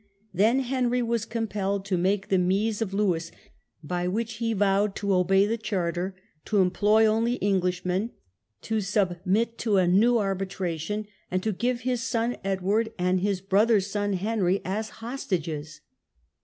Then Henry was compelled to make the Mise of Lewesy by which he vowed to obey the Charter, to employ only Englishmen, to submit to a new arbitration, and to give his son Edward, and his brother's son Henry, as hostages.